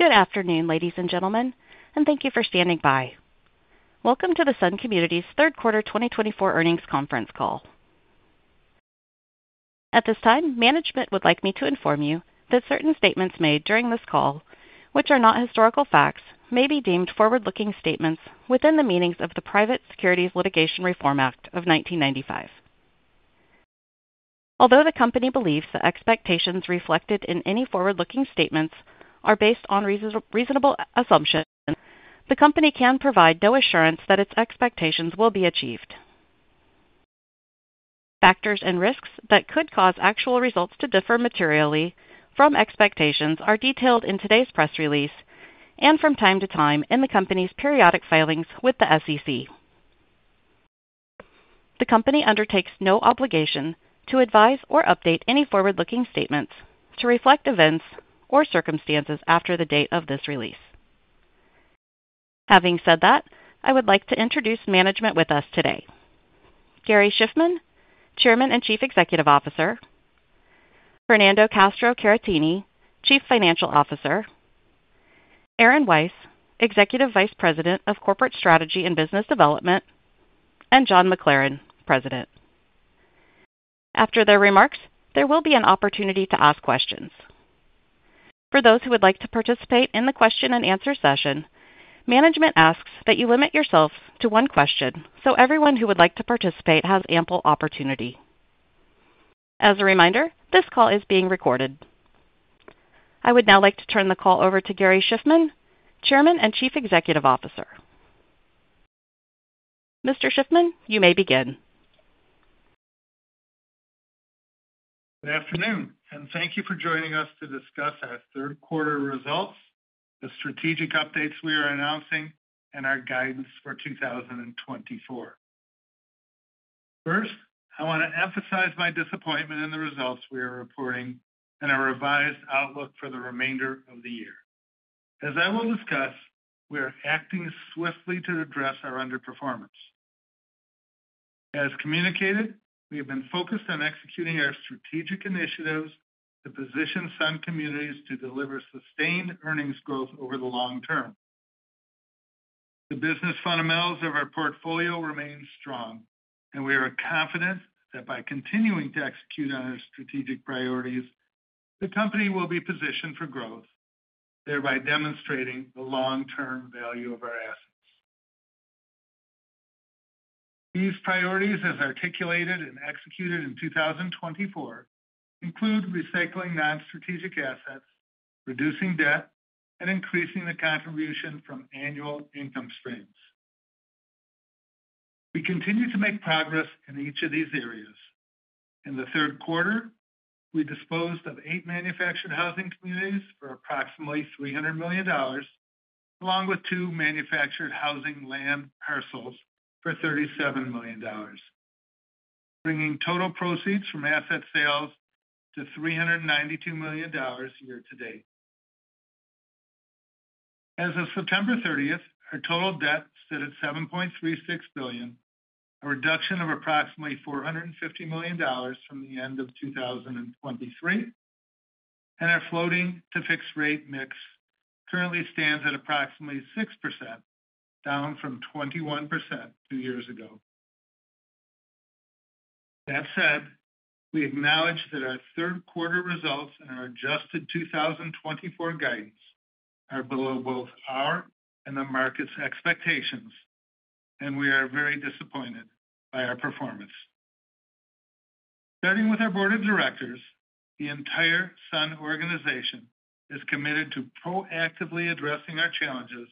Good afternoon, ladies and gentlemen, and thank you for standing by. Welcome to the Sun Communities' third quarter 2024 earnings conference call. At this time, management would like me to inform you that certain statements made during this call, which are not historical facts, may be deemed forward-looking statements within the meanings of the Private Securities Litigation Reform Act of 1995. Although the company believes the expectations reflected in any forward-looking statements are based on reasonable assumptions, the company can provide no assurance that its expectations will be achieved. Factors and risks that could cause actual results to differ materially from expectations are detailed in today's press release and from time to time in the company's periodic filings with the SEC. The company undertakes no obligation to advise or update any forward-looking statements to reflect events or circumstances after the date of this release. Having said that, I would like to introduce management with us today: Gary Shiffman, Chairman and Chief Executive Officer, Fernando Castro-Caratini, Chief Financial Officer, Aaron Weiss, Executive Vice President of Corporate Strategy and Business Development, and John McLaren, President. After their remarks, there will be an opportunity to ask questions. For those who would like to participate in the question-and-answer session, management asks that you limit yourselves to one question so everyone who would like to participate has ample opportunity. As a reminder, this call is being recorded. I would now like to turn the call over to Gary Shiffman, Chairman and Chief Executive Officer. Mr. Shiffman, you may begin. Good afternoon, and thank you for joining us to discuss our third quarter results, the strategic updates we are announcing, and our guidance for 2024. First, I want to emphasize my disappointment in the results we are reporting and our revised outlook for the remainder of the year. As I will discuss, we are acting swiftly to address our underperformance. As communicated, we have been focused on executing our strategic initiatives to position Sun Communities to deliver sustained earnings growth over the long term. The business fundamentals of our portfolio remain strong, and we are confident that by continuing to execute on our strategic priorities, the company will be positioned for growth, thereby demonstrating the long-term value of our assets. These priorities, as articulated and executed in 2024, include recycling non-strategic assets, reducing debt, and increasing the contribution from annual income streams. We continue to make progress in each of these areas. In the third quarter, we disposed of eight manufactured housing communities for approximately $300 million, along with two manufactured housing land parcels for $37 million, bringing total proceeds from asset sales to $392 million year-to-date. As of September 30th, our total debt stood at $7.36 billion, a reduction of approximately $450 million from the end of 2023, and our floating-to-fixed-rate mix currently stands at approximately 6%, down from 21% two years ago. That said, we acknowledge that our third quarter results and our adjusted 2024 guidance are below both our and the market's expectations, and we are very disappointed by our performance. Starting with our Board of Directors, the entire Sun organization is committed to proactively addressing our challenges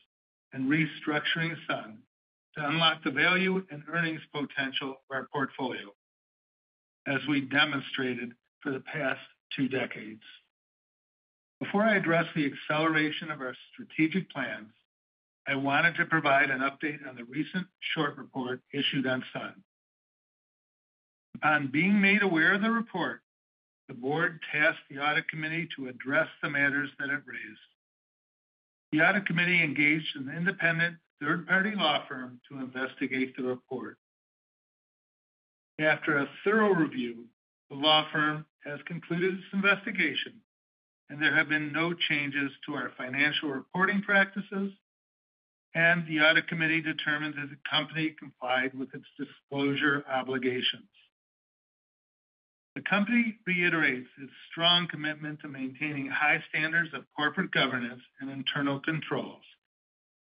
and restructuring Sun to unlock the value and earnings potential of our portfolio, as we demonstrated for the past two decades. Before I address the acceleration of our strategic plans, I wanted to provide an update on the recent short report issued on Sun. Upon being made aware of the report, the Board tasked the Audit Committee to address the matters that it raised. The Audit Committee engaged an independent third-party law firm to investigate the report. After a thorough review, the law firm has concluded its investigation, and there have been no changes to our financial reporting practices, and the Audit Committee determined that the company complied with its disclosure obligations. The company reiterates its strong commitment to maintaining high standards of corporate governance and internal controls,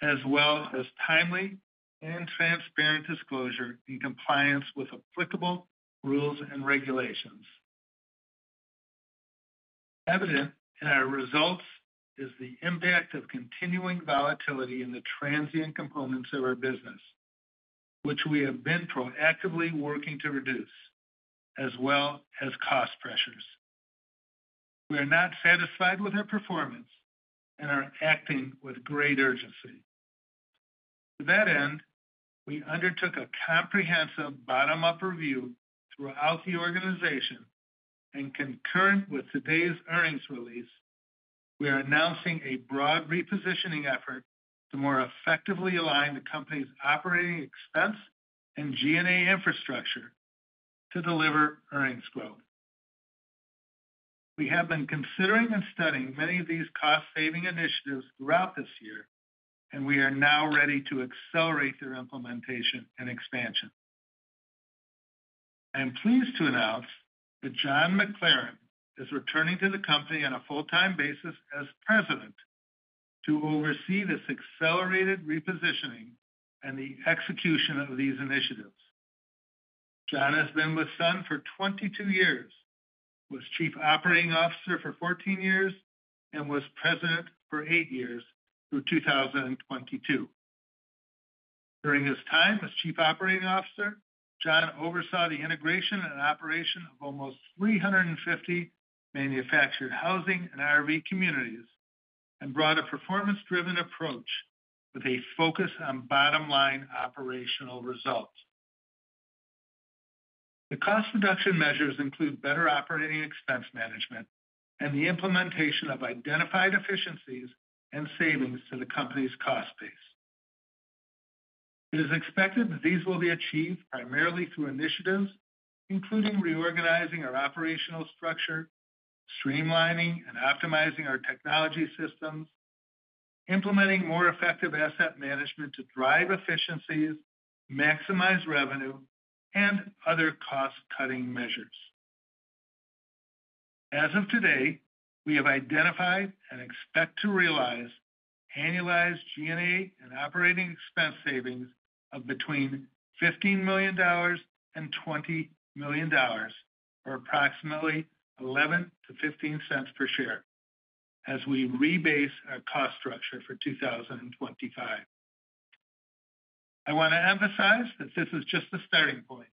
as well as timely and transparent disclosure in compliance with applicable rules and regulations. Evident in our results is the impact of continuing volatility in the transient components of our business, which we have been proactively working to reduce, as well as cost pressures. We are not satisfied with our performance and are acting with great urgency. To that end, we undertook a comprehensive bottom-up review throughout the organization, and concurrent with today's earnings release, we are announcing a broad repositioning effort to more effectively align the company's operating expense and G&A infrastructure to deliver earnings growth. We have been considering and studying many of these cost-saving initiatives throughout this year, and we are now ready to accelerate their implementation and expansion. I am pleased to announce that John McLaren is returning to the company on a full-time basis as president to oversee this accelerated repositioning and the execution of these initiatives. John has been with Sun for 22 years, was Chief Operating Officer for 14 years, and was president for eight years through 2022. During his time as Chief Operating Officer, John oversaw the integration and operation of almost 350 manufactured housing and RV communities and brought a performance-driven approach with a focus on bottom-line operational results. The cost reduction measures include better operating expense management and the implementation of identified efficiencies and savings to the company's cost base. It is expected that these will be achieved primarily through initiatives including reorganizing our operational structure, streamlining and optimizing our technology systems, implementing more effective asset management to drive efficiencies, maximize revenue, and other cost-cutting measures. As of today, we have identified and expect to realize annualized G&A and operating expense savings of between $15 million and $20 million, or approximately $0.11-$0.15 per share, as we rebase our cost structure for 2025. I want to emphasize that this is just the starting point,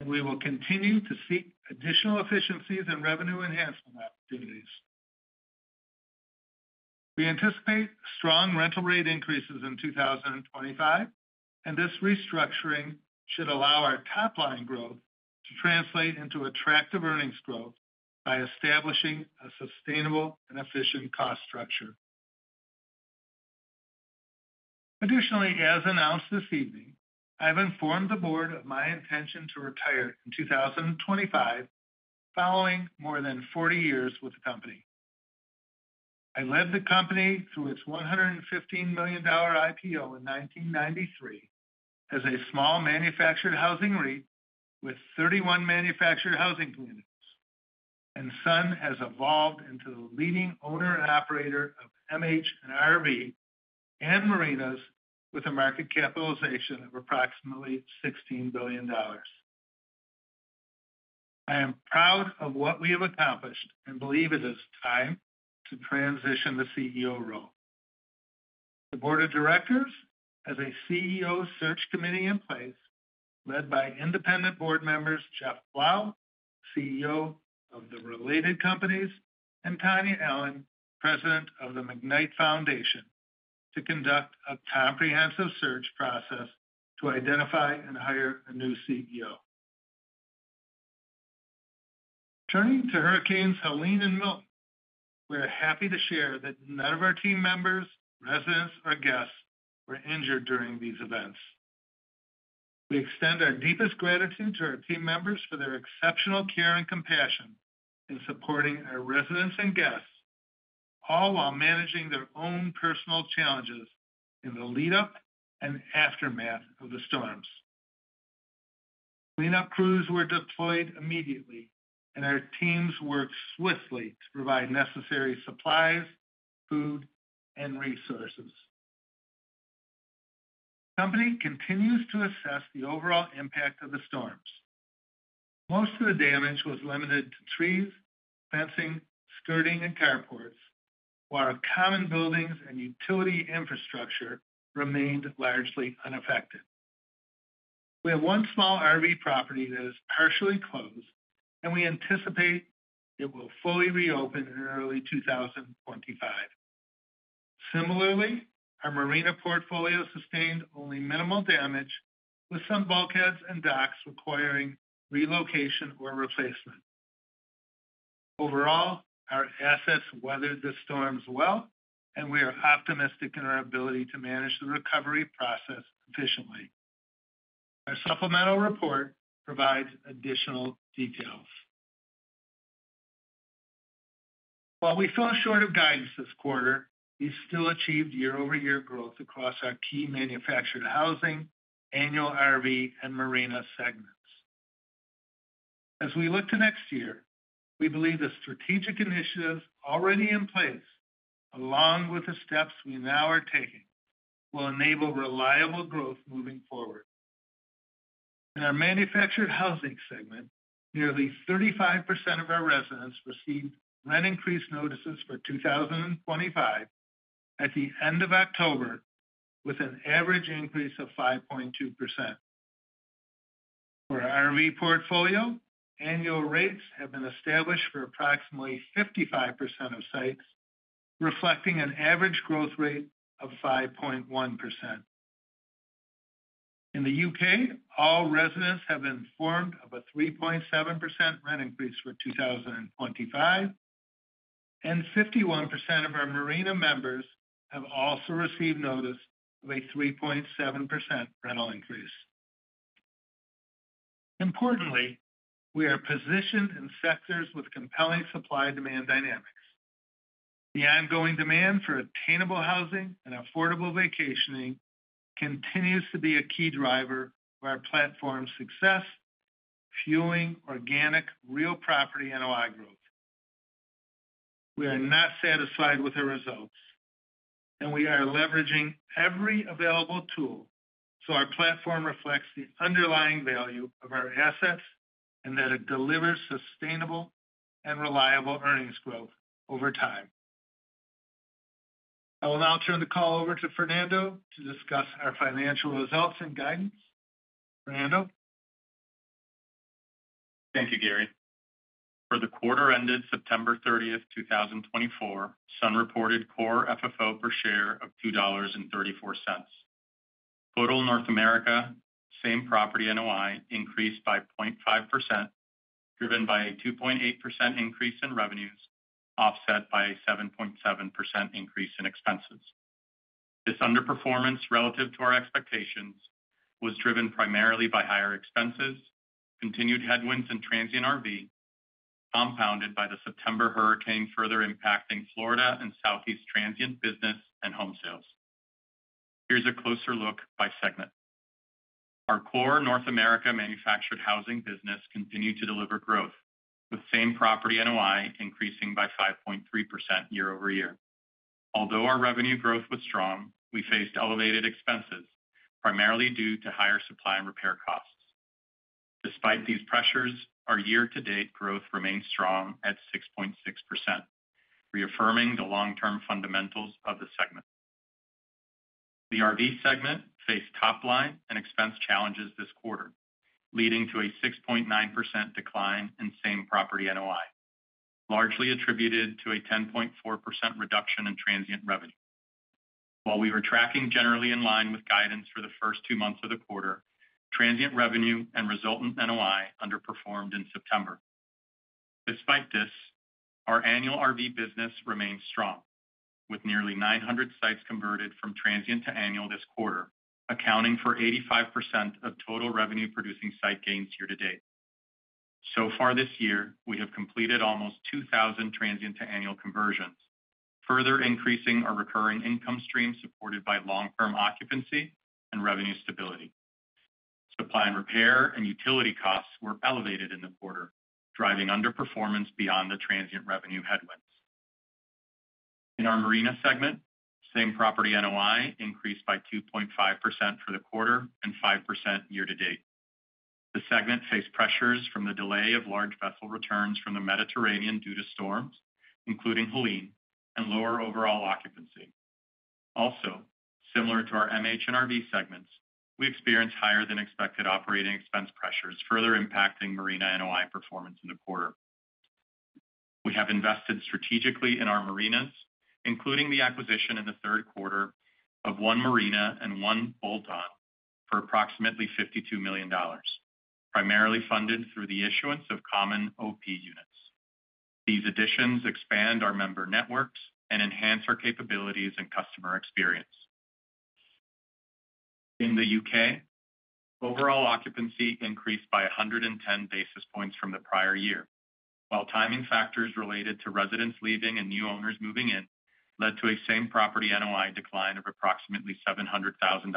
and we will continue to seek additional efficiencies and revenue enhancement opportunities. We anticipate strong rental rate increases in 2025, and this restructuring should allow our top-line growth to translate into attractive earnings growth by establishing a sustainable and efficient cost structure. Additionally, as announced this evening, I have informed the Board of my intention to retire in 2025, following more than 40 years with the company. I led the company through its $115 million IPO in 1993 as a small manufactured housing REIT with 31 manufactured housing communities, and Sun has evolved into the leading owner and operator of MH and RV and marinas with a market capitalization of approximately $16 billion. I am proud of what we have accomplished and believe it is time to transition the CEO role. The Board of Directors has a CEO Search Committee in place led by independent board members Jeff Blau, CEO of Related Companies, and Tonya Allen, President of the McKnight Foundation, to conduct a comprehensive search process to identify and hire a new CEO. Returning to Hurricanes Helene and Milton, we are happy to share that none of our team members, residents, or guests were injured during these events. We extend our deepest gratitude to our team members for their exceptional care and compassion in supporting our residents and guests, all while managing their own personal challenges in the lead-up and aftermath of the storms. Cleanup crews were deployed immediately, and our teams worked swiftly to provide necessary supplies, food, and resources. The company continues to assess the overall impact of the storms. Most of the damage was limited to trees, fencing, skirting, and carports, while common buildings and utility infrastructure remained largely unaffected. We have one small RV property that is partially closed, and we anticipate it will fully reopen in early 2025. Similarly, our marina portfolio sustained only minimal damage, with some bulkheads and docks requiring relocation or replacement. Overall, our assets weathered the storms well, and we are optimistic in our ability to manage the recovery process efficiently. Our supplemental report provides additional details. While we fell short of guidance this quarter, we still achieved year-over-year growth across our key manufactured housing, annual RV, and marina segments. As we look to next year, we believe the strategic initiatives already in place, along with the steps we now are taking, will enable reliable growth moving forward. In our manufactured housing segment, nearly 35% of our residents received rent increase notices for 2025 at the end of October, with an average increase of 5.2%. For our RV portfolio, annual rates have been established for approximately 55% of sites, reflecting an average growth rate of 5.1%. In the U.K., all residents have been informed of a 3.7% rent increase for 2025, and 51% of our marina members have also received notice of a 3.7% rental increase. Importantly, we are positioned in sectors with compelling supply-demand dynamics. The ongoing demand for attainable housing and affordable vacationing continues to be a key driver of our platform's success, fueling organic, real property NOI growth. We are not satisfied with our results, and we are leveraging every available tool so our platform reflects the underlying value of our assets and that it delivers sustainable and reliable earnings growth over time. I will now turn the call over to Fernando to discuss our financial results and guidance. Fernando? Thank you, Gary. For the quarter ended September 30th, 2024, Sun reported core FFO per share of $2.34. Total North America Same Property NOI increased by 0.5%, driven by a 2.8% increase in revenues, offset by a 7.7% increase in expenses. This underperformance relative to our expectations was driven primarily by higher expenses, continued headwinds in transient RV, compounded by the September hurricane further impacting Florida and Southeast transient business and home sales. Here's a closer look by segment. Our core North America manufactured housing business continued to deliver growth, with Same Property NOI increasing by 5.3% year-over-year. Although our revenue growth was strong, we faced elevated expenses, primarily due to higher supply and repair costs. Despite these pressures, our year-to-date growth remained strong at 6.6%, reaffirming the long-term fundamentals of the segment. The RV segment faced top-line and expense challenges this quarter, leading to a 6.9% decline in Same Property NOI, largely attributed to a 10.4% reduction in transient revenue. While we were tracking generally in line with guidance for the first two months of the quarter, transient revenue and resultant NOI underperformed in September. Despite this, our annual RV business remained strong, with nearly 900 sites converted from transient to annual this quarter, accounting for 85% of total revenue-producing site gains year-to-date. So far this year, we have completed almost 2,000 transient to annual conversions, further increasing our recurring income stream supported by long-term occupancy and revenue stability. Supply and repair and utility costs were elevated in the quarter, driving underperformance beyond the transient revenue headwinds. In our marina segment, Same Property NOI increased by 2.5% for the quarter and 5% year-to-date. The segment faced pressures from the delay of large vessel returns from the Mediterranean due to storms, including Helene, and lower overall occupancy. Also, similar to our MH and RV segments, we experienced higher-than-expected operating expense pressures further impacting marina NOI performance in the quarter. We have invested strategically in our marinas, including the acquisition in the third quarter of one marina and one bolt-on for approximately $52 million, primarily funded through the issuance of common OP units. These additions expand our member networks and enhance our capabilities and customer experience. In the UK, overall occupancy increased by 110 basis points from the prior year, while timing factors related to residents leaving and new owners moving in led to a Same Property NOI decline of approximately $700,000,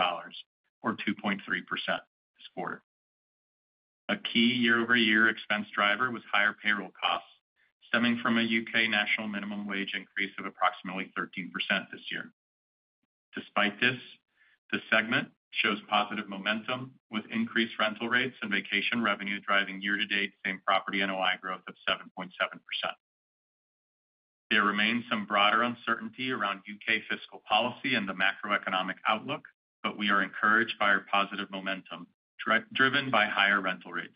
or 2.3%, this quarter. A key year-over-year expense driver was higher payroll costs, stemming from a U.K. national minimum wage increase of approximately 13% this year. Despite this, the segment shows positive momentum, with increased rental rates and vacation revenue driving year-to-date Same Property NOI growth of 7.7%. There remains some broader uncertainty around U.K. fiscal policy and the macroeconomic outlook, but we are encouraged by our positive momentum driven by higher rental rates.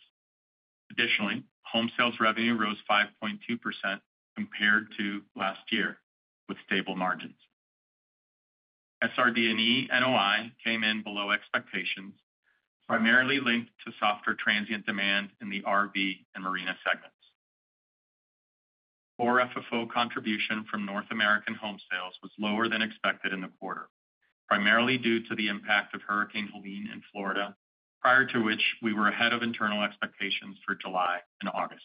Additionally, home sales revenue rose 5.2% compared to last year, with stable margins. SRD&E NOI came in below expectations, primarily linked to softer transient demand in the RV and marina segments. Core FFO contribution from North American home sales was lower than expected in the quarter, primarily due to the impact of Hurricane Helene in Florida, prior to which we were ahead of internal expectations for July and August.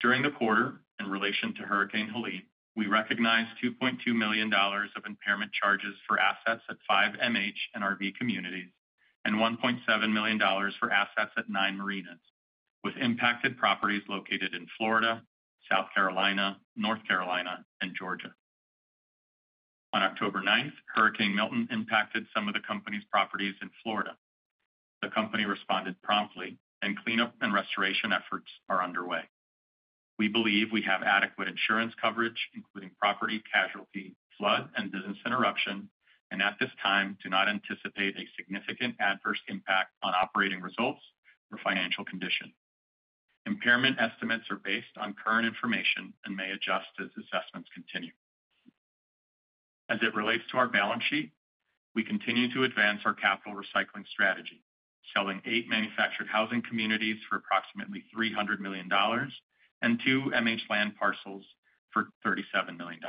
During the quarter, in relation to Hurricane Helene, we recognized $2.2 million of impairment charges for assets at five MH and RV communities and $1.7 million for assets at nine marinas, with impacted properties located in Florida, South Carolina, North Carolina, and Georgia. On October 9th, Hurricane Milton impacted some of the company's properties in Florida. The company responded promptly, and cleanup and restoration efforts are underway. We believe we have adequate insurance coverage, including property, casualty, flood, and business interruption, and at this time, do not anticipate a significant adverse impact on operating results or financial condition. Impairment estimates are based on current information and may adjust as assessments continue. As it relates to our balance sheet, we continue to advance our capital recycling strategy, selling eight manufactured housing communities for approximately $300 million and two MH land parcels for $37 million.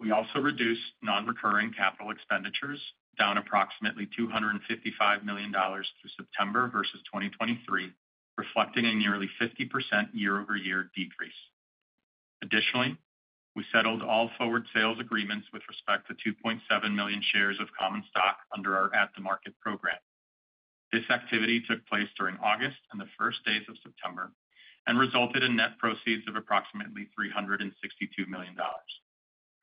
We also reduced non-recurring capital expenditures, down approximately $255 million through September versus 2023, reflecting a nearly 50% year-over-year decrease. Additionally, we settled all forward sales agreements with respect to 2.7 million shares of common stock under our At the Market program. This activity took place during August and the first days of September and resulted in net proceeds of approximately $362 million.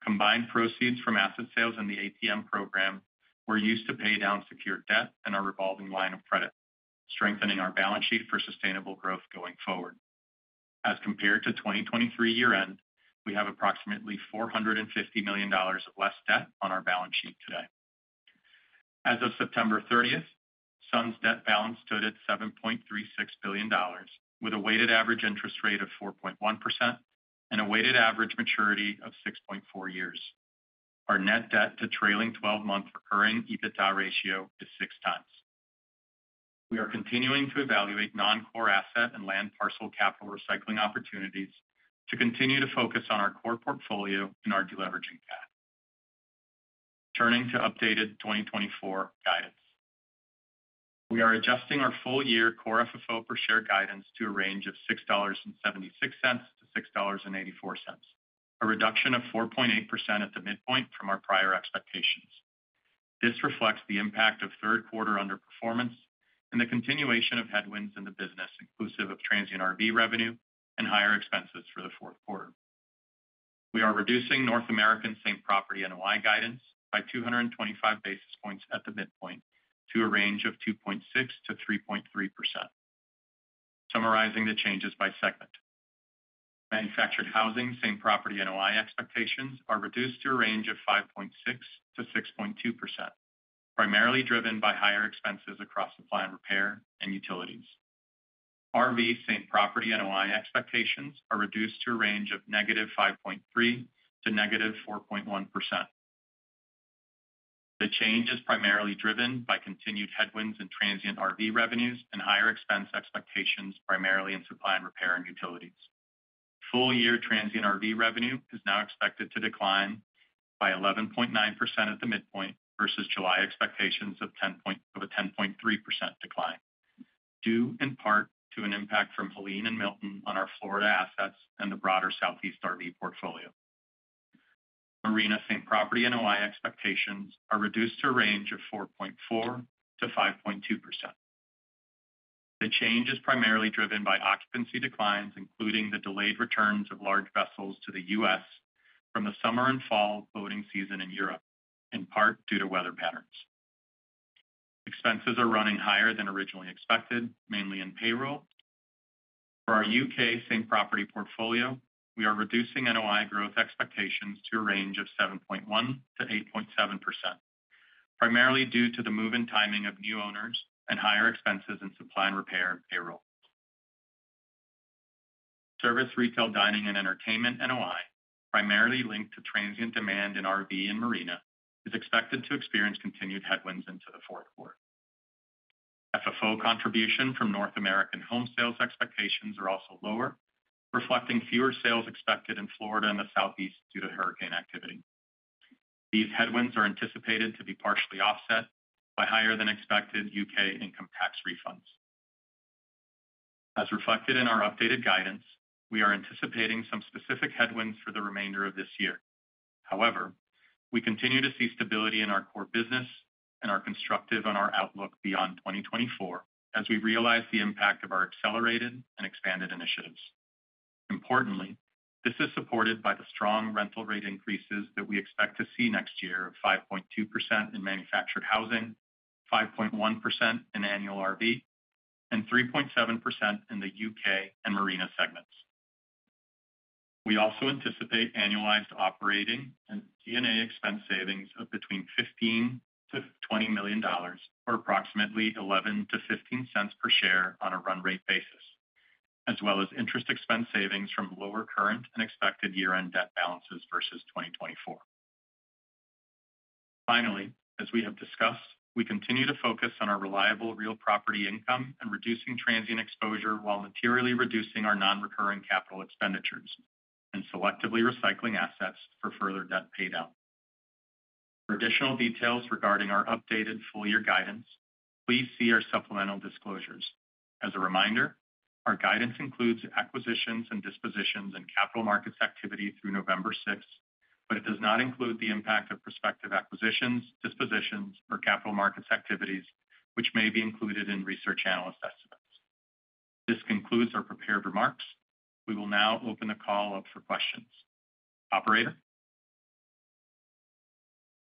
Combined proceeds from asset sales and the ATM program were used to pay down secured debt and our revolving line of credit, strengthening our balance sheet for sustainable growth going forward. As compared to 2023 year-end, we have approximately $450 million of less debt on our balance sheet today. As of September 30th, Sun's debt balance stood at $7.36 billion, with a weighted average interest rate of 4.1% and a weighted average maturity of 6.4 years. Our net debt to trailing 12-month recurring EBITDA ratio is 6x. We are continuing to evaluate non-core asset and land parcel capital recycling opportunities to continue to focus on our core portfolio and our deleveraging path. Returning to updated 2024 guidance, we are adjusting our full-year core FFO per share guidance to a range of $6.76-$6.84, a reduction of 4.8% at the midpoint from our prior expectations. This reflects the impact of third-quarter underperformance and the continuation of headwinds in the business, inclusive of transient RV revenue and higher expenses for the fourth quarter. We are reducing North American Same Property NOI guidance by 225 basis points at the midpoint to a range of 2.6%-3.3%. Summarizing the changes by segment, manufactured housing Same Property NOI expectations are reduced to a range of 5.6%-6.2%, primarily driven by higher expenses across supply and repair and utilities. RV Same Property NOI expectations are reduced to a range of -5.3% to -4.1%. The change is primarily driven by continued headwinds in transient RV revenues and higher expense expectations, primarily in supply and repair and utilities. Full-year transient RV revenue is now expected to decline by 11.9% at the midpoint versus July expectations of a 10.3% decline, due in part to an impact from Helene and Milton on our Florida assets and the broader Southeast RV portfolio. Marina Same Property NOI expectations are reduced to a range of 4.4% to 5.2%. The change is primarily driven by occupancy declines, including the delayed returns of large vessels to the U.S. from the summer and fall boating season in Europe, in part due to weather patterns. Expenses are running higher than originally expected, mainly in payroll. For our UK Same Property portfolio, we are reducing NOI growth expectations to a range of 7.1%-8.7%, primarily due to the move-in timing of new owners and higher expenses in supply and repair and payroll. Service retail dining and entertainment NOI, primarily linked to transient demand in RV and marina, is expected to experience continued headwinds into the fourth quarter. FFO contribution from North American home sales expectations are also lower, reflecting fewer sales expected in Florida and the Southeast due to hurricane activity. These headwinds are anticipated to be partially offset by higher-than-expected UK income tax refunds. As reflected in our updated guidance, we are anticipating some specific headwinds for the remainder of this year. However, we continue to see stability in our core business and are constructive on our outlook beyond 2024 as we realize the impact of our accelerated and expanded initiatives. Importantly, this is supported by the strong rental rate increases that we expect to see next year of 5.2% in manufactured housing, 5.1% in annual RV, and 3.7% in the U.K. and marina segments. We also anticipate annualized operating and G&A expense savings of between $15 million-$20 million or approximately $0.11-$0.15 per share on a run rate basis, as well as interest expense savings from lower current and expected year-end debt balances versus 2024. Finally, as we have discussed, we continue to focus on our reliable real property income and reducing transient exposure while materially reducing our non-recurring capital expenditures and selectively recycling assets for further debt paydown. For additional details regarding our updated full-year guidance, please see our supplemental disclosures. As a reminder, our guidance includes acquisitions and dispositions in capital markets activity through November 6, but it does not include the impact of prospective acquisitions, dispositions, or capital markets activities, which may be included in research analyst estimates. This concludes our prepared remarks. We will now open the call up for questions. Operator.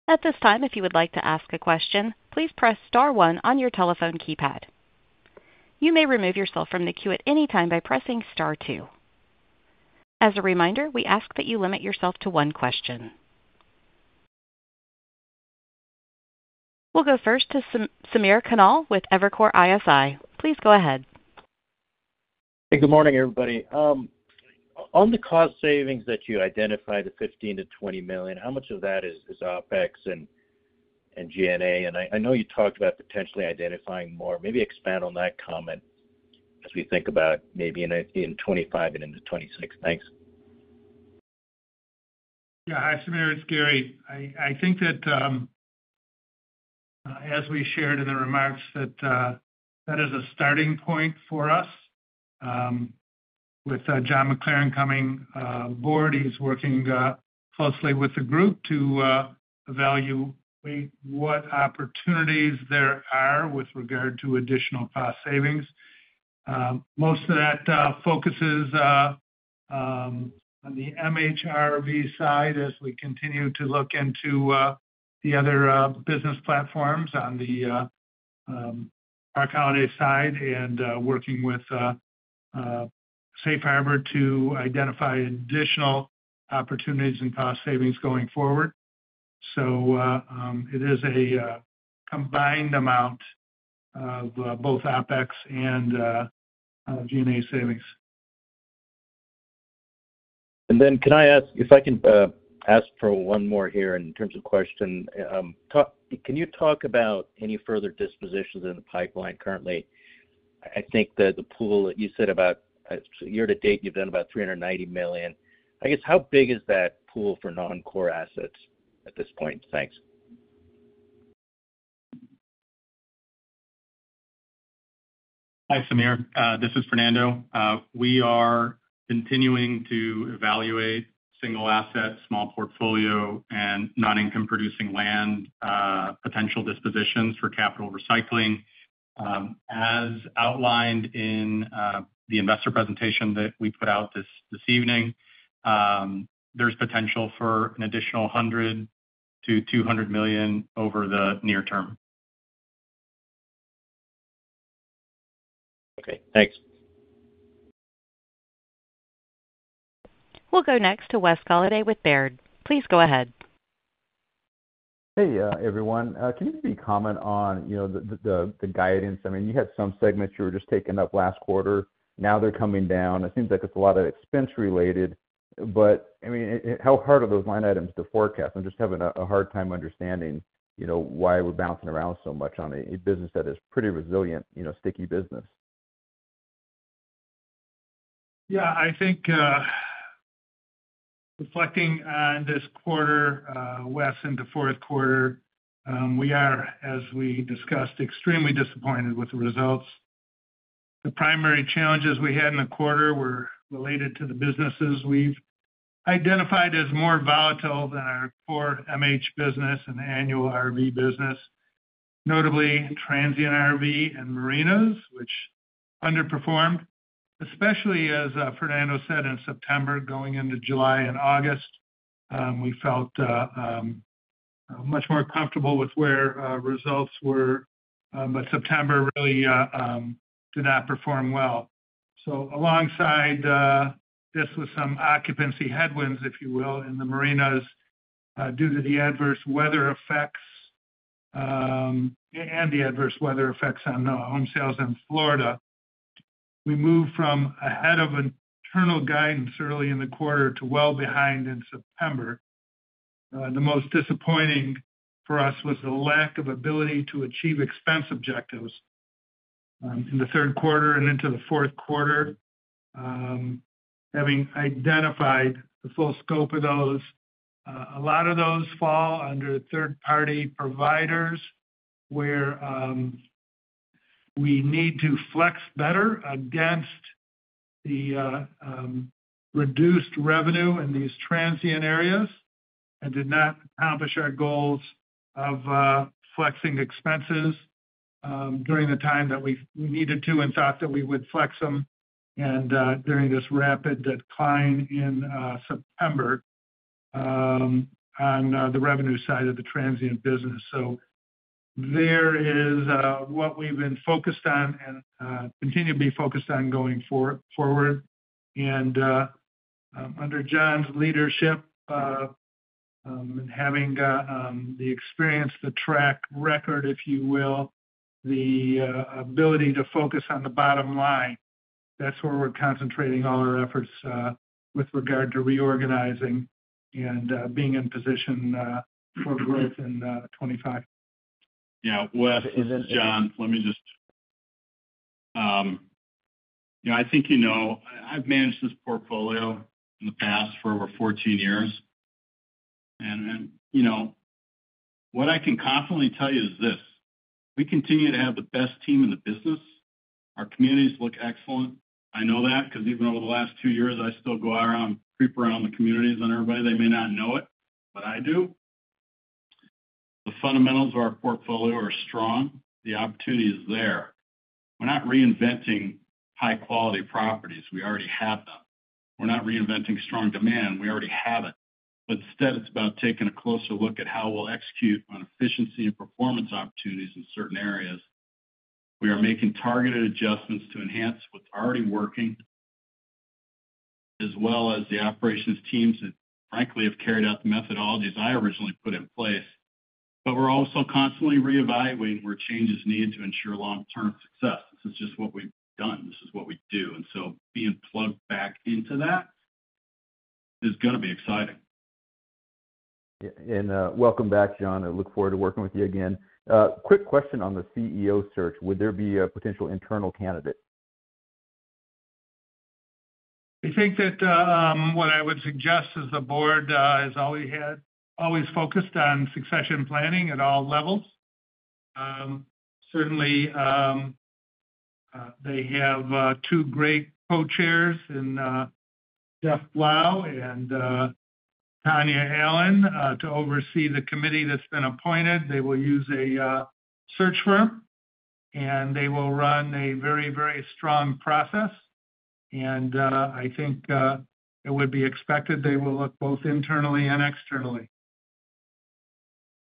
At this time, if you would like to ask a question, please press Star 1 on your telephone keypad. You may remove yourself from the queue at any time by pressing Star 2. As a reminder, we ask that you limit yourself to one question. We'll go first to Samir Khanal with Evercore ISI. Please go ahead. Hey, good morning, everybody. On the cost savings that you identified, the $15 million-$20 million, how much of that is OpEx and G&A? And I know you talked about potentially identifying more. Maybe expand on that comment as we think about maybe in 2025 and into 2026. Thanks. Yeah, hi Samir. It's Gary. I think that, as we shared in the remarks, that that is a starting point for us. With John McLaren coming on board, he's working closely with the group to evaluate what opportunities there are with regard to additional cost savings. Most of that focuses on the MHRV side as we continue to look into the other business platforms on the Park Holidays side and working with Safe Harbor to identify additional opportunities and cost savings going forward. So it is a combined amount of both OPEX and G&A savings. And then can I ask if I can ask for one more here in terms of question? Can you talk about any further dispositions in the pipeline currently? I think that the pool that you said about year-to-date, you've done about $390 million. I guess how big is that pool for non-core assets at this point? Thanks. Hi, Samir. This is Fernando. We are continuing to evaluate single assets, small portfolio, and non-income-producing land potential dispositions for capital recycling. As outlined in the investor presentation that we put out this evening, there's potential for an additional $100 million-$200 million over the near term. Okay. Thanks. We'll go next to Wes Golladay with Baird. Please go ahead. Hey, everyone. Can you maybe comment on the guidance? I mean, you had some segments you were just taking up last quarter. Now they're coming down. It seems like it's a lot of expense-related. But I mean, how hard are those line items to forecast? I'm just having a hard time understanding why we're bouncing around so much on a business that is pretty resilient, sticky business. Yeah, I think reflecting on this quarter, Wes, into fourth quarter, we are, as we discussed, extremely disappointed with the results. The primary challenges we had in the quarter were related to the businesses we've identified as more volatile than our core MH business and annual RV business, notably transient RV and marinas, which underperformed. Especially, as Fernando said in September, going into July and August, we felt much more comfortable with where results were, but September really did not perform well. So alongside this with some occupancy headwinds, if you will, in the marinas due to the adverse weather effects and the adverse weather effects on home sales in Florida, we moved from ahead of internal guidance early in the quarter to well behind in September. The most disappointing for us was the lack of ability to achieve expense objectives in the third quarter and into the fourth quarter. Having identified the full scope of those, a lot of those fall under third-party providers where we need to flex better against the reduced revenue in these transient areas and did not accomplish our goals of flexing expenses during the time that we needed to and thought that we would flex them during this rapid decline in September on the revenue side of the transient business. So there is what we've been focused on and continue to be focused on going forward. And under John's leadership and having the experience, the track record, if you will, the ability to focus on the bottom line, that's where we're concentrating all our efforts with regard to reorganizing and being in position for growth in 2025. Yeah. Wes, John, let me just, yeah, I think you know I've managed this portfolio in the past for over 14 years, and what I can confidently tell you is this: we continue to have the best team in the business. Our communities look excellent. I know that because even over the last two years, I still go around, creep around the communities and everybody. They may not know it, but I do. The fundamentals of our portfolio are strong. The opportunity is there. We're not reinventing high-quality properties. We already have them. We're not reinventing strong demand. We already have it. But instead, it's about taking a closer look at how we'll execute on efficiency and performance opportunities in certain areas. We are making targeted adjustments to enhance what's already working, as well as the operations teams that, frankly, have carried out the methodologies I originally put in place. But we're also constantly reevaluating where changes need to ensure long-term success. This is just what we've done. This is what we do. And so being plugged back into that is going to be exciting. And welcome back, John. I look forward to working with you again. Quick question on the CEO search. Would there be a potential internal candidate? I think that what I would suggest is the board has always focused on succession planning at all levels. Certainly, they have two great co-chairs, Jeff Blau and Tonya Allen, to oversee the committee that's been appointed. They will use a search firm, and they will run a very, very strong process. And I think it would be expected they will look both internally and externally.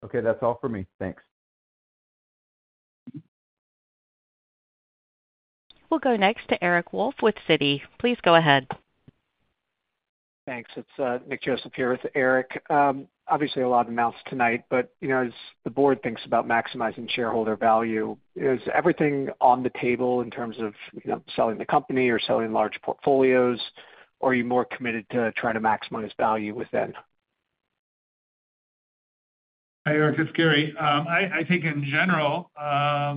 Okay. That's all for me. Thanks. We'll go next to Eric Wolfe with Citi. Please go ahead. Thanks. It's Nick Joseph here with Eric. Obviously, a lot of math tonight, but as the board thinks about maximizing shareholder value, is everything on the table in terms of selling the company or selling large portfolios, or are you more committed to trying to maximize value within? Hi, Eric. It's Gary. I think, in general, our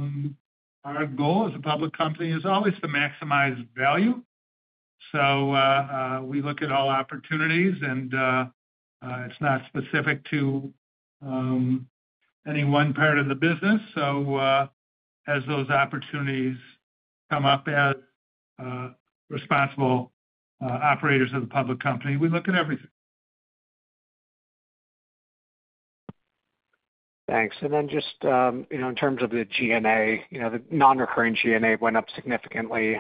goal as a public company is always to maximize value. So we look at all opportunities, and it's not specific to any one part of the business. So as those opportunities come up as responsible operators of the public company, we look at everything. Thanks. And then just in terms of the G&A, the non-recurring G&A went up significantly.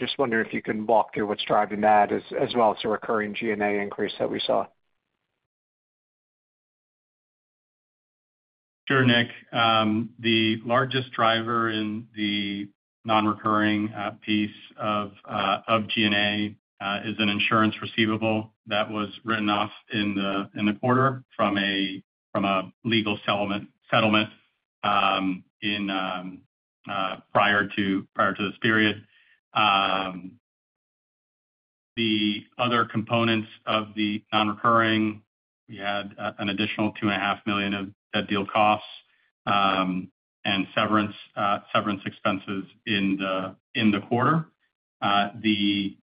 Just wondering if you can walk through what's driving that, as well as the recurring G&A increase that we saw. Sure, Nick. The largest driver in the non-recurring piece of G&A is an insurance receivable that was written off in the quarter from a legal settlement prior to this period. The other components of the non-recurring, we had an additional $2.5 million of dead deal costs and severance expenses in the quarter. On the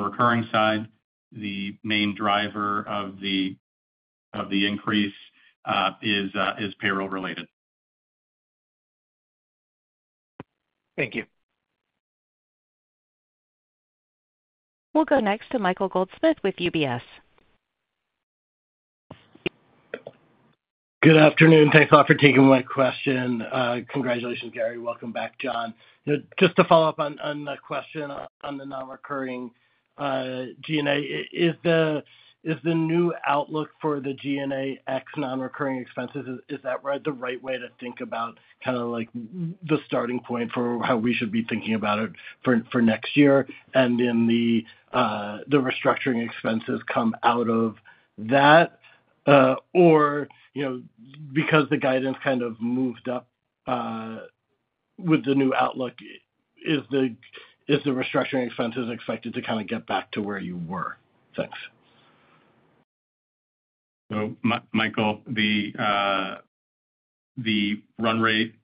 recurring side, the main driver of the increase is payroll-related. Thank you. We'll go next to Michael Goldsmith with UBS. Good afternoon. Thanks a lot for taking my question. Congratulations, Gary. Welcome back, John. Just to follow up on the question on the non-recurring G&A, is the new outlook for the G&A X non-recurring expenses, is that the right way to think about kind of the starting point for how we should be thinking about it for next year? And then the restructuring expenses come out of that? Or because the guidance kind of moved up with the new outlook, is the restructuring expenses expected to kind of get back to where you were? Thanks. So, Michael, the run rate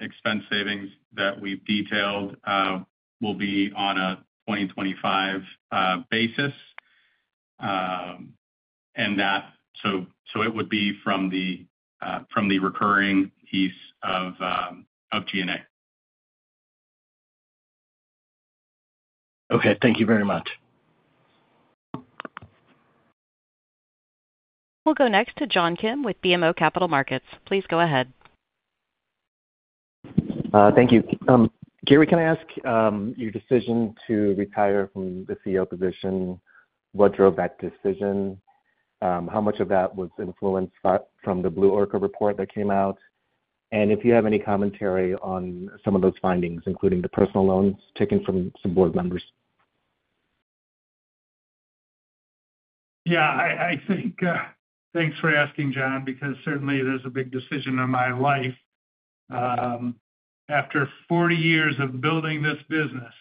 expense savings that we've detailed will be on a 2025 basis. And so it would be from the recurring piece of G&A. Okay. Thank you very much. We'll go next to John Kim with BMO Capital Markets. Please go ahead. Thank you. Gary, can I ask your decision to retire from the CEO position? What drove that decision? How much of that was influenced from the Blue Orca report that came out? And if you have any commentary on some of those findings, including the personal loans taken from some board members? Yeah. Thanks for asking, John, because certainly there's a big decision in my life. After 40 years of building this business,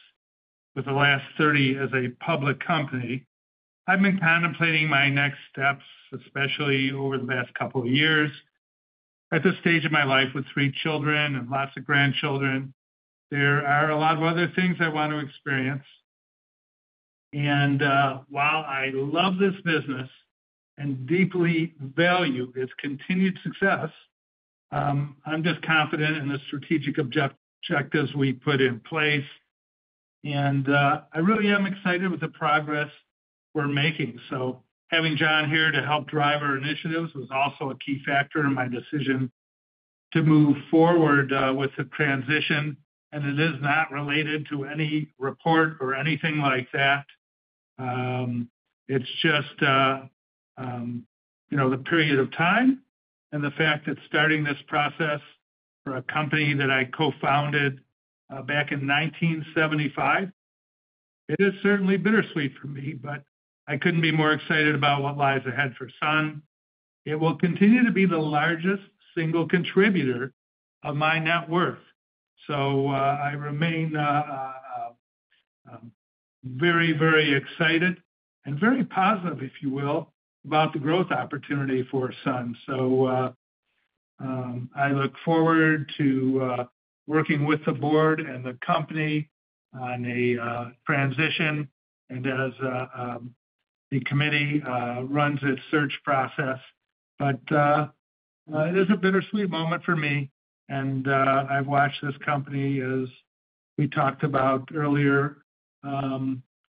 with the last 30 as a public company, I've been contemplating my next steps, especially over the past couple of years. At this stage of my life with three children and lots of grandchildren, there are a lot of other things I want to experience, and while I love this business and deeply value its continued success, I'm just confident in the strategic objectives we put in place. And I really am excited with the progress we're making, so having John here to help drive our initiatives was also a key factor in my decision to move forward with the transition, and it is not related to any report or anything like that. It's just the period of time and the fact that starting this process for a company that I co-founded back in 1975. It is certainly bittersweet for me, but I couldn't be more excited about what lies ahead for Sun. It will continue to be the largest single contributor of my net worth. So I remain very, very excited and very positive, if you will, about the growth opportunity for Sun. So I look forward to working with the board and the company on a transition and as the committee runs its search process. But it is a bittersweet moment for me. And I've watched this company, as we talked about earlier,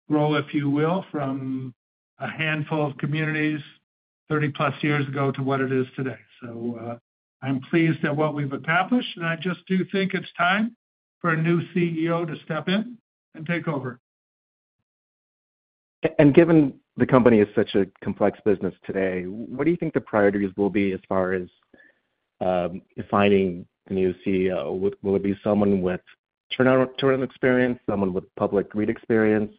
grow, if you will, from a handful of communities 30-plus years ago to what it is today. So I'm pleased at what we've accomplished. And I just do think it's time for a new CEO to step in and take over. And given the company is such a complex business today, what do you think the priorities will be as far as defining the new CEO? Will it be someone with turnaround experience, someone with public REIT experience?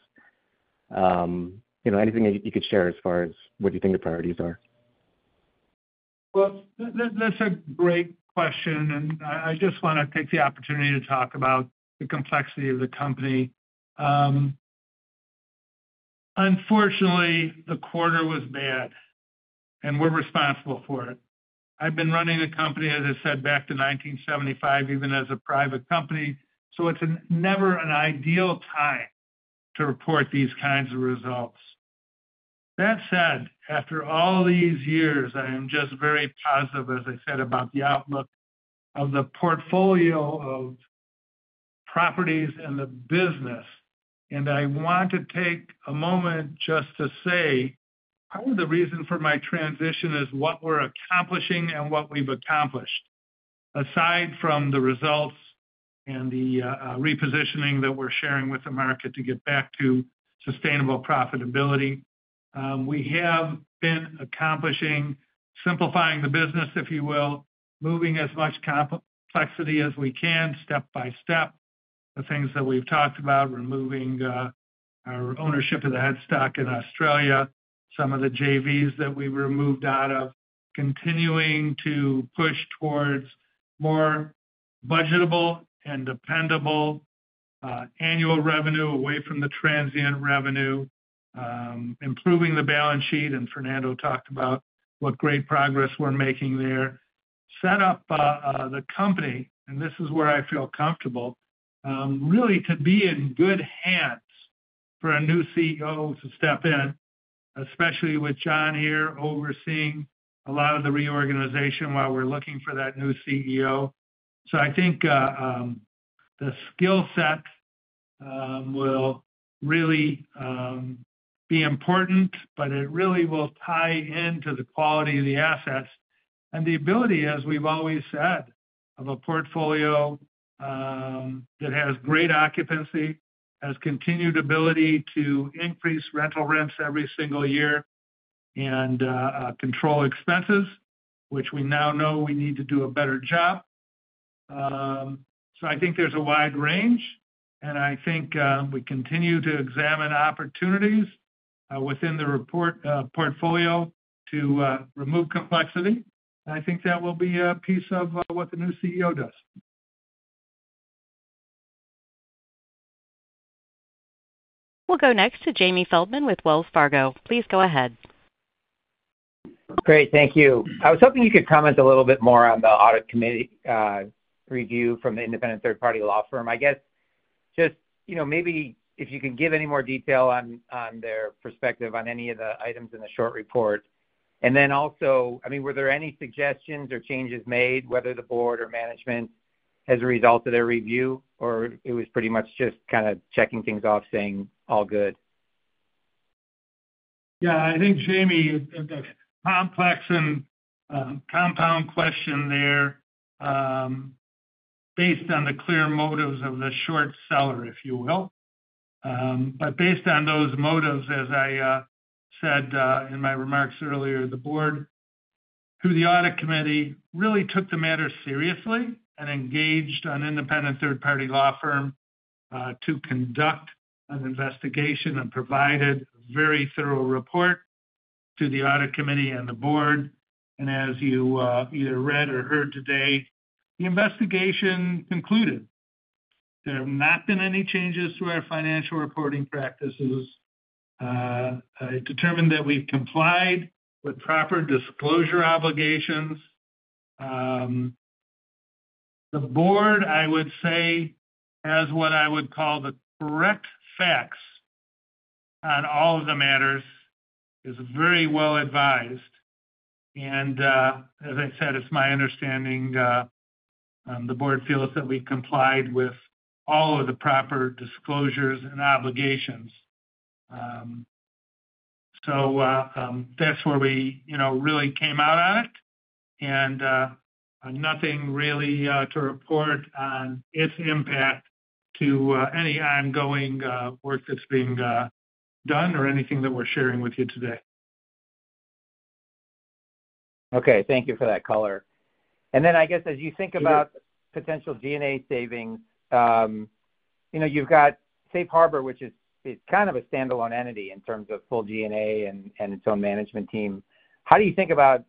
Anything you could share as far as what you think the priorities are? Well, that's a great question. And I just want to take the opportunity to talk about the complexity of the company. Unfortunately, the quarter was bad, and we're responsible for it. I've been running the company, as I said, back to 1975, even as a private company. So it's never an ideal time to report these kinds of results. That said, after all these years, I am just very positive, as I said, about the outlook of the portfolio of properties and the business. I want to take a moment just to say part of the reason for my transition is what we're accomplishing and what we've accomplished. Aside from the results and the repositioning that we're sharing with the market to get back to sustainable profitability, we have been accomplishing simplifying the business, if you will, moving as much complexity as we can step by step. The things that we've talked about, removing our ownership of the stake in Australia, some of the JVs that we've removed out of, continuing to push towards more budgetable and dependable annual revenue away from the transient revenue, improving the balance sheet. Fernando talked about what great progress we're making there. Set up the company, and this is where I feel comfortable, really to be in good hands for a new CEO to step in, especially with John here overseeing a lot of the reorganization while we're looking for that new CEO. So I think the skill set will really be important, but it really will tie into the quality of the assets. And the ability, as we've always said, of a portfolio that has great occupancy, has continued ability to increase rental rents every single year, and control expenses, which we now know we need to do a better job. So I think there's a wide range. And I think we continue to examine opportunities within the portfolio to remove complexity. And I think that will be a piece of what the new CEO does. We'll go next to Jamie Feldman with Wells Fargo. Please go ahead. Great. Thank you. I was hoping you could comment a little bit more on the audit committee review from the independent third-party law firm. I guess just maybe if you can give any more detail on their perspective on any of the items in the short report. And then also, I mean, were there any suggestions or changes made, whether the board or management as a result of their review, or it was pretty much just kind of checking things off, saying, "All good"? Yeah. I think Jamie, a complex and compound question there based on the clear motives of the short seller, if you will. But based on those motives, as I said in my remarks earlier, the board through the audit committee really took the matter seriously and engaged an independent third-party law firm to conduct an investigation and provided a very thorough report to the audit committee and the board. As you either read or heard today, the investigation concluded. There have not been any changes to our financial reporting practices. I determined that we've complied with proper disclosure obligations. The board, I would say, has what I would call the correct facts on all of the matters, is very well advised. And as I said, it's my understanding the board feels that we complied with all of the proper disclosures and obligations. So that's where we really came out at it. And nothing really to report on its impact to any ongoing work that's being done or anything that we're sharing with you today. Okay. Thank you for that color. And then I guess as you think about potential G&A savings, you've got Safe Harbor, which is kind of a standalone entity in terms of full G&A and its own management team. How do you think about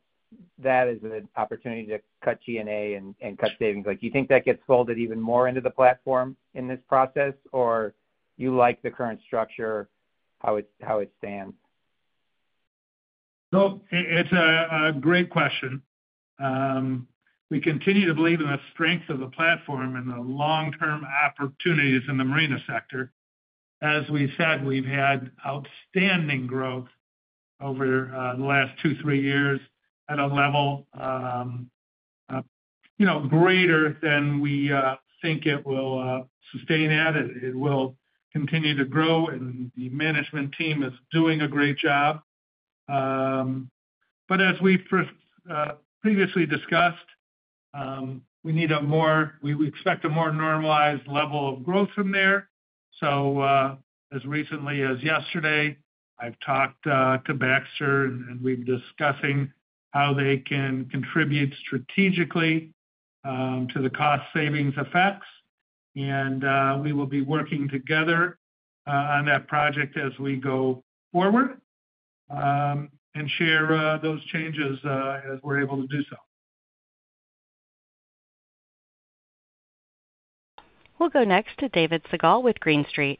that as an opportunity to cut G&A and cut savings? Do you think that gets folded even more into the platform in this process, or do you like the current structure how it stands? It's a great question. We continue to believe in the strength of the platform and the long-term opportunities in the marina sector. As we said, we've had outstanding growth over the last two, three years at a level greater than we think it will sustain at. It will continue to grow. The management team is doing a great job. As we previously discussed, we expect a more normalized level of growth from there. As recently as yesterday, I've talked to Baxter, and we're discussing how they can contribute strategically to the cost savings effects. And we will be working together on that project as we go forward and share those changes as we're able to do so. We'll go next to David Segal with Green Street.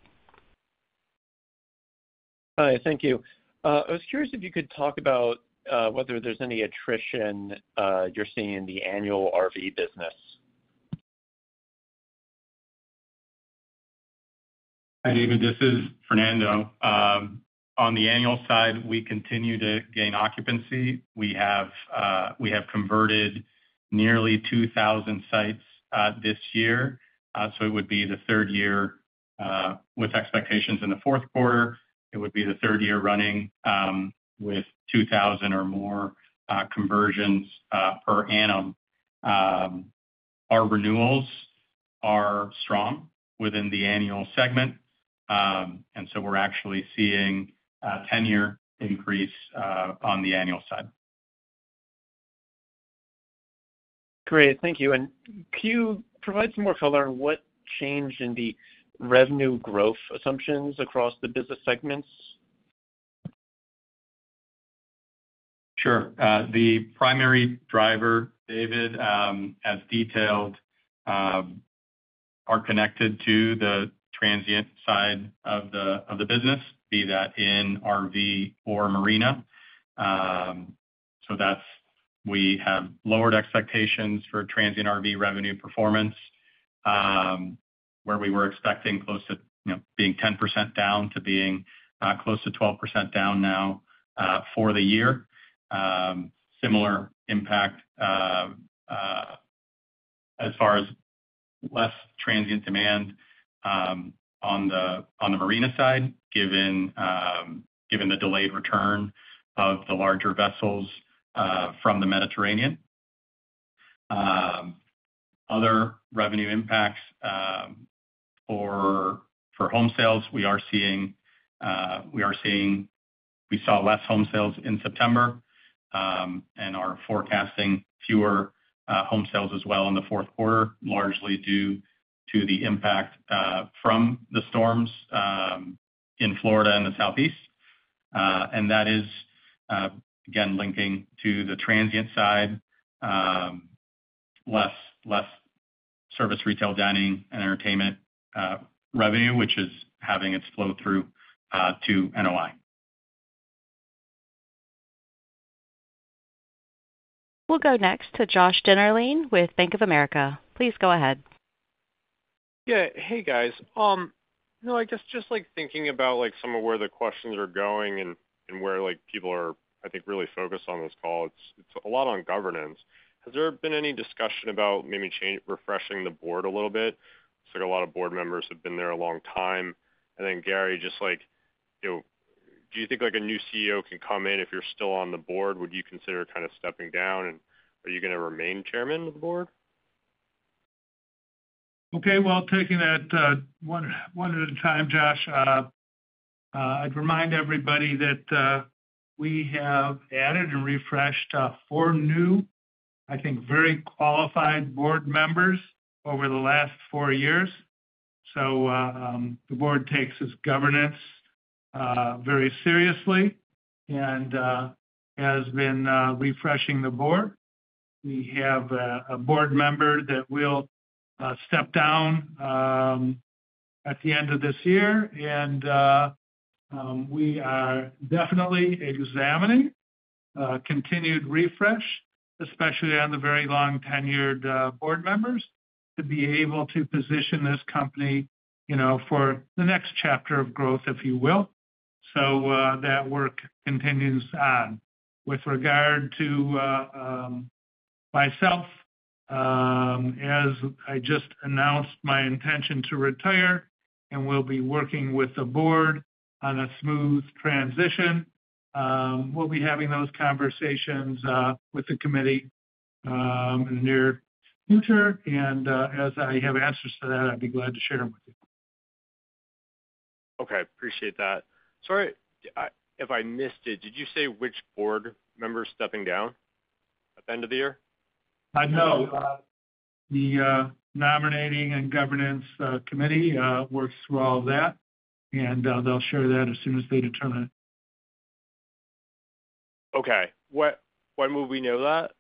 Hi. Thank you. I was curious if you could talk about whether there's any attrition you're seeing in the annual RV business. Hi, David. This is Fernando. On the annual side, we continue to gain occupancy. We have converted nearly 2,000 sites this year. So it would be the third year with expectations in the fourth quarter. It would be the third year running with 2,000 or more conversions per annum. Our renewals are strong within the annual segment. And so we're actually seeing a 10-year increase on the annual side. Great. Thank you. And can you provide some more color on what changed in the revenue growth assumptions across the business segments? Sure. The primary driver, David, as detailed, are connected to the transient side of the business, be that in RV or marina. So we have lowered expectations for transient RV revenue performance, where we were expecting close to being 10% down to being close to 12% down now for the year. Similar impact as far as less transient demand on the marina side, given the delayed return of the larger vessels from the Mediterranean. Other revenue impacts for home sales, we saw less home sales in September and are forecasting fewer home sales as well in the fourth quarter, largely due to the impact from the storms in Florida and the Southeast. And that is, again, linking to the transient side, less service retail dining and entertainment revenue, which is having its flow through to NOI. We'll go next to Josh Dennerlein with Bank of America. Please go ahead. Yeah. Hey, guys. No, I guess just thinking about some of where the questions are going and where people are, I think, really focused on this call, it's a lot on governance. Has there been any discussion about maybe refreshing the board a little bit? So a lot of board members have been there a long time. And then Gary, just do you think a new CEO can come in if you're still on the board? Would you consider kind of stepping down, and are you going to remain chairman of the board? Okay. Well, taking that one at a time, Josh, I'd remind everybody that we have added and refreshed four new, I think, very qualified board members over the last four years. So the board takes its governance very seriously and has been refreshing the board. We have a board member that will step down at the end of this year, and we are definitely examining continued refresh, especially on the very long-tenured board members, to be able to position this company for the next chapter of growth, if you will, so that work continues on. With regard to myself, as I just announced my intention to retire and will be working with the board on a smooth transition, we'll be having those conversations with the committee in the near future, and as I have answers to that, I'd be glad to share them with you. Okay. Appreciate that. Sorry if I missed it. Did you say which board member is stepping down at the end of the year? No. The nominating and governance committee works through all of that, and they'll share that as soon as they determine it. Okay. When will we know that?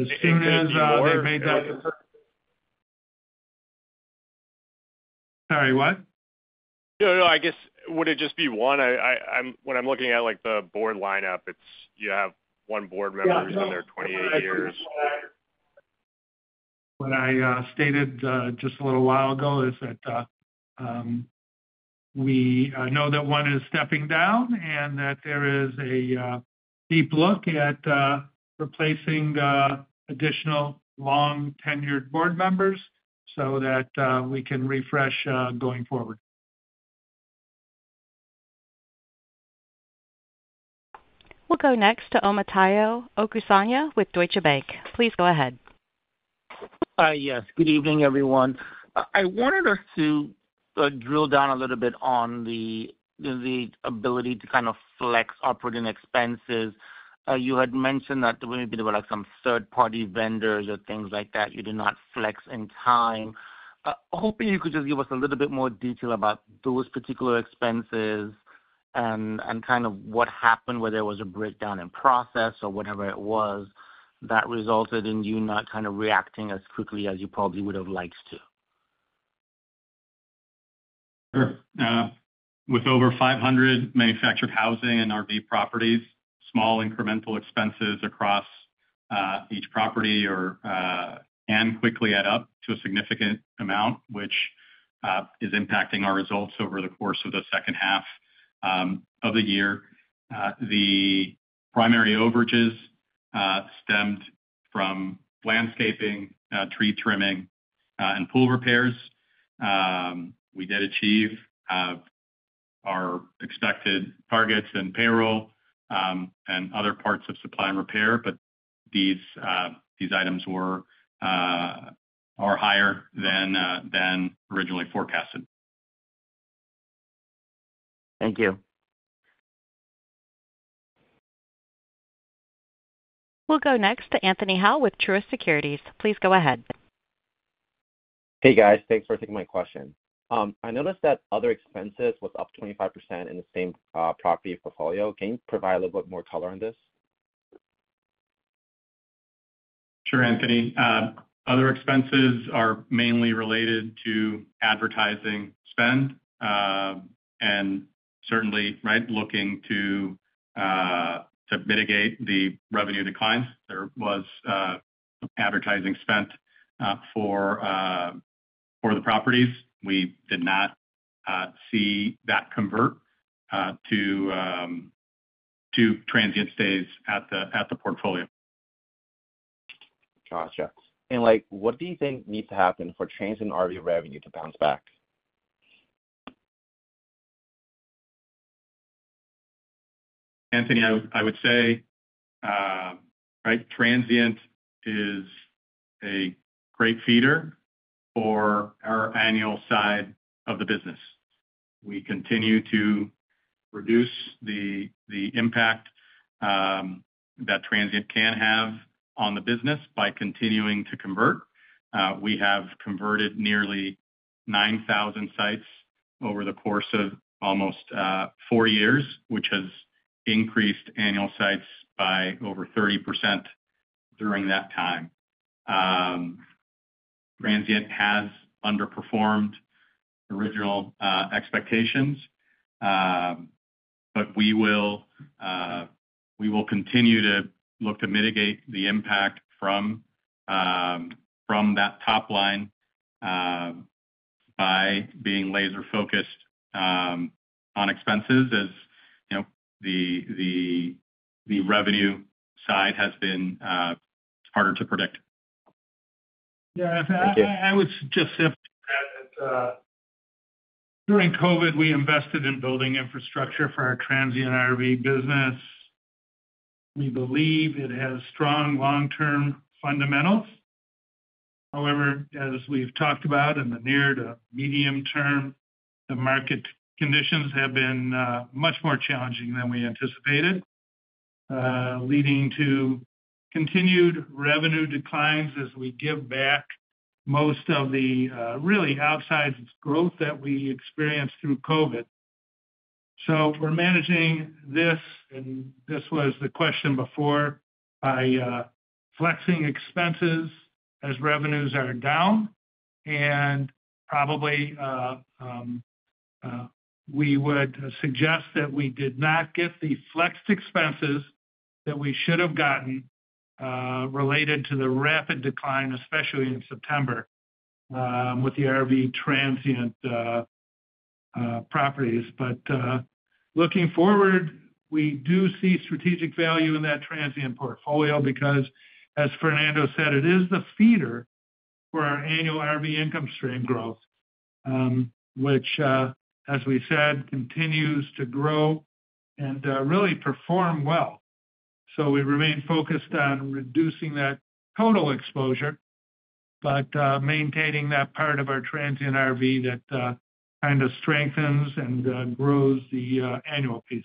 As soon as they made that decision. Sorry, what? No, no. I guess would it just be one? When I'm looking at the board lineup, you have one board member who's been there 28 years. What I stated just a little while ago is that we know that one is stepping down and that there is a deep look at replacing additional long-tenured board members so that we can refresh going forward. We'll go next to Omotayo Okusanya with Deutsche Bank. Please go ahead. Yes. Good evening, everyone. I wanted us to drill down a little bit on the ability to kind of flex operating expenses. You had mentioned that there may be some third-party vendors or things like that you did not flex in time. Hoping you could just give us a little bit more detail about those particular expenses and kind of what happened where there was a breakdown in process or whatever it was that resulted in you not kind of reacting as quickly as you probably would have liked to. Sure. With over 500 manufactured housing and RV properties, small incremental expenses across each property can quickly add up to a significant amount, which is impacting our results over the course of the second half of the year. The primary overages stemmed from landscaping, tree trimming, and pool repairs. We did achieve our expected targets in payroll and other parts of supply and repair, but these items are higher than originally forecasted. Thank you. We'll go next to Anthony Hau with Truist Securities. Please go ahead. Hey, guys. Thanks for taking my question. I noticed that other expenses was up 25% in the same property portfolio. Can you provide a little bit more color on this? Sure, Anthony. Other expenses are mainly related to advertising spend and certainly looking to mitigate the revenue declines. There was some advertising spent for the properties. We did not see that convert to transient stays at the portfolio. Gotcha. And what do you think needs to happen for transient RV revenue to bounce back? Anthony, I would say transient is a great feeder for our annual side of the business. We continue to reduce the impact that transient can have on the business by continuing to convert. We have converted nearly 9,000 sites over the course of almost four years, which has increased annual sites by over 30% during that time. Transient has underperformed original expectations, but we will continue to look to mitigate the impact from that top line by being laser-focused on expenses as the revenue side has been harder to predict. Yeah. I would just say that during COVID, we invested in building infrastructure for our transient RV business. We believe it has strong long-term fundamentals. However, as we've talked about in the near to medium term, the market conditions have been much more challenging than we anticipated, leading to continued revenue declines as we give back most of the really outsized growth that we experienced through COVID. So we're managing this, and this was the question before, by flexing expenses as revenues are down. And probably we would suggest that we did not get the flexed expenses that we should have gotten related to the rapid decline, especially in September with the RV transient properties. But looking forward, we do see strategic value in that transient portfolio because, as Fernando said, it is the feeder for our annual RV income stream growth, which, as we said, continues to grow and really perform well. So we remain focused on reducing that total exposure but maintaining that part of our transient RV that kind of strengthens and grows the annual piece.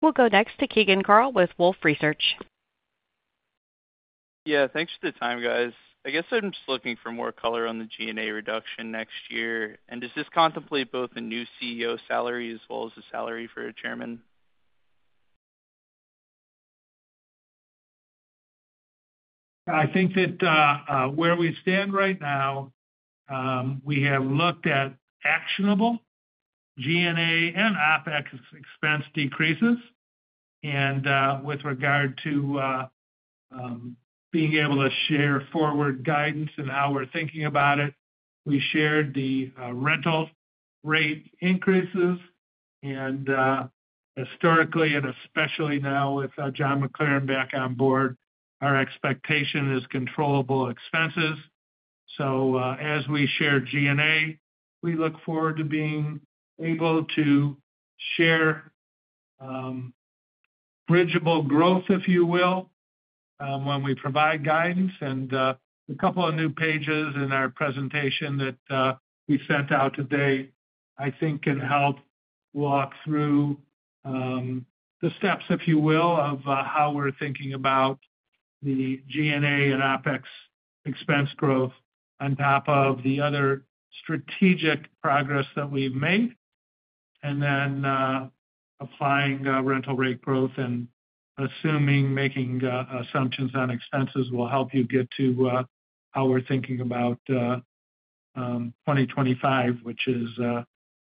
We'll go next to Keegan Carl with Wolfe Research. Yeah. Thanks for the time, guys. I guess I'm just looking for more color on the G&A reduction next year. And does this contemplate both a new CEO salary as well as a salary for a chairman? I think that where we stand right now, we have looked at actionable G&A and OPEX expense decreases. And with regard to being able to share forward guidance and how we're thinking about it, we shared the rental rate increases. Historically, and especially now with John McLaren back on board, our expectation is controllable expenses. As we share G&A, we look forward to being able to share bridgeable growth, if you will, when we provide guidance. A couple of new pages in our presentation that we sent out today, I think, can help walk through the steps, if you will, of how we're thinking about the G&A and OPEX expense growth on top of the other strategic progress that we've made. Then applying rental rate growth and assuming making assumptions on expenses will help you get to how we're thinking about 2025, which is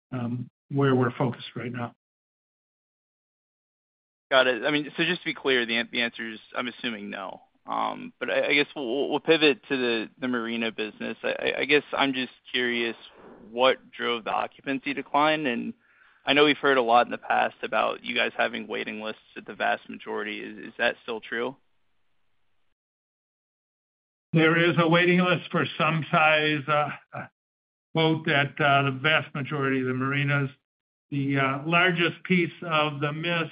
where we're focused right now. Got it. I mean, so just to be clear, the answer is, I'm assuming, no. I guess we'll pivot to the marina business. I guess I'm just curious what drove the occupancy decline. I know we've heard a lot in the past about you guys having waiting lists at the vast majority. Is that still true? There is a waiting list for some size boat at the vast majority of the marinas. The largest piece of the miss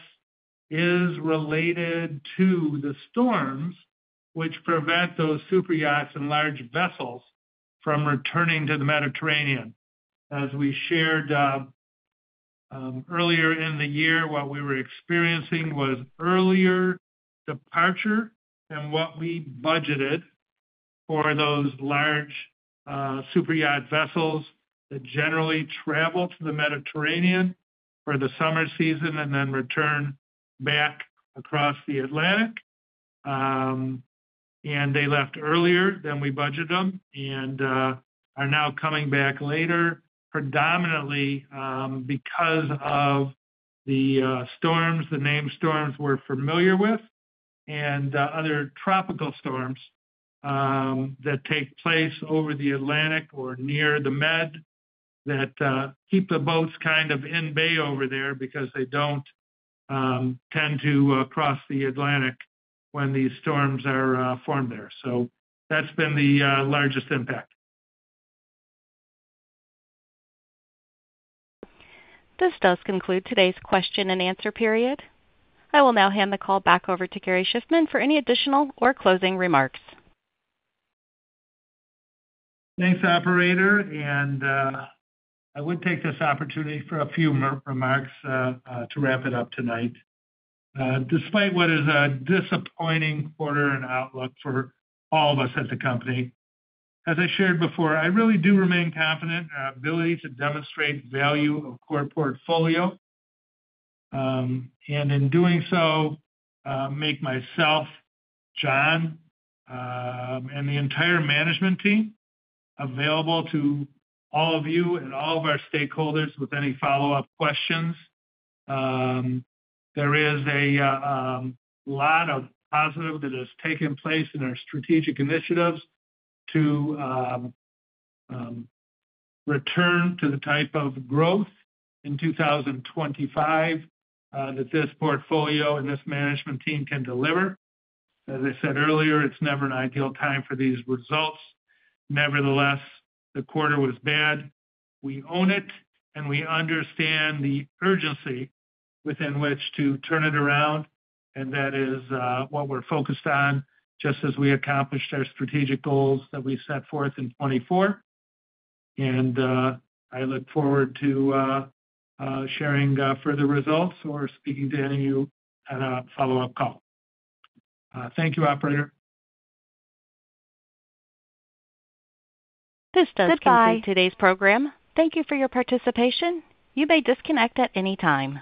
is related to the storms, which prevent those superyachts and large vessels from returning to the Mediterranean. As we shared earlier in the year, what we were experiencing was earlier departure than what we budgeted for those large superyacht vessels that generally travel to the Mediterranean for the summer season and then return back across the Atlantic. And they left earlier than we budgeted them and are now coming back later, predominantly because of the storms, the named storms we're familiar with, and other tropical storms that take place over the Atlantic or near the Med that keep the boats kind of in bay over there because they don't tend to cross the Atlantic when these storms are formed there. So that's been the largest impact. This does conclude today's question and answer period. I will now hand the call back over to Gary Shiffman for any additional or closing remarks. Thanks, Operator, and I would take this opportunity for a few remarks to wrap it up tonight. Despite what is a disappointing quarter and outlook for all of us at the company, as I shared before, I really do remain confident in our ability to demonstrate value of core portfolio. And in doing so, make myself, John, and the entire management team available to all of you and all of our stakeholders with any follow-up questions. There is a lot of positive that has taken place in our strategic initiatives to return to the type of growth in 2025 that this portfolio and this management team can deliver. As I said earlier, it's never an ideal time for these results. Nevertheless, the quarter was bad. We own it, and we understand the urgency within which to turn it around. And that is what we're focused on just as we accomplished our strategic goals that we set forth in 2024. And I look forward to sharing further results or speaking to any of you at a follow-up call. Thank you, Operator. This does conclude today's program. Thank you for your participation. You may disconnect at any time.